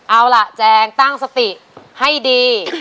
เอาล่ะแจงตั้งสติให้ดี